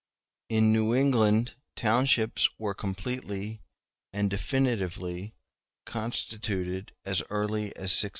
In New England townships were completely and definitively constituted as early as 1650.